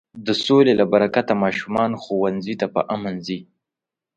د سولې له برکته ماشومان ښوونځي ته په امن ځي.